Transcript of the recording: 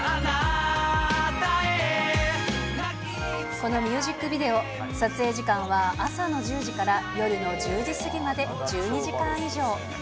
このミュージックビデオ、撮影時間は朝の１０時から夜の１０時過ぎまで１２時間以上。